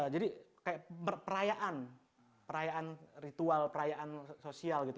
jadi kayak perayaan perayaan ritual perayaan sosial gitu